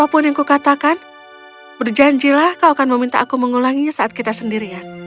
apapun yang kukatakan berjanjilah kau akan meminta aku mengulanginya saat kita sendirian